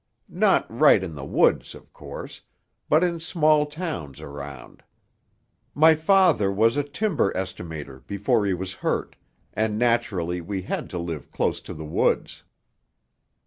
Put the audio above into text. Not right in the woods, of course, but in small towns around. My father was a timber estimator before he was hurt, and naturally we had to live close to the woods."